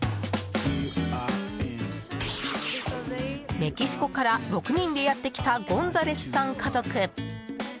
メキシコから６人でやってきたゴンザレスさん家族。